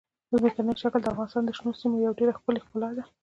ځمکنی شکل د افغانستان د شنو سیمو یوه ډېره ښکلې ښکلا ده.